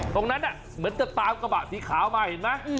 ของนั้นเหมือนเท่ากระบะสีขาวมาเห็น